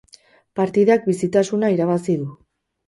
Partidak bizitasuna irabazi du.